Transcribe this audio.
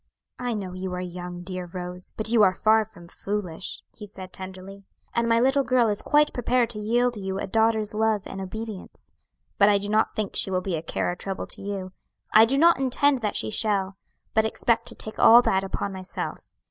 "I know you are young, dear Rose, but you are far from foolish," he said tenderly, "and my little girl is quite prepared to yield you a daughter's love and obedience; but I do not think she will be a care or trouble to you; I do not intend that she shall, but expect to take all that upon myself.